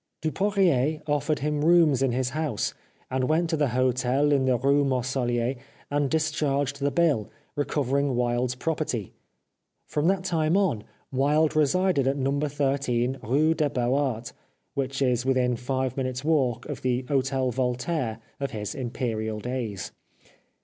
Du poirier offered him rooms in his house, and went to the hotel in the Rue MarsoUier, and dis charged the bill, recovering Wilde's property. From that time on Wilde resided at Number 13 Rue des Beaux Arts, which is within five minutes' walk of the Hotel Voltaire of his imperial days.